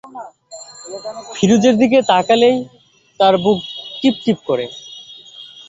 ফিরোজের দিকে তাকালেই তার বুক টিপটিপ করে।